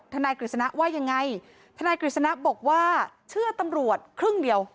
นายกฤษณะว่ายังไงทนายกฤษณะบอกว่าเชื่อตำรวจครึ่งเดียว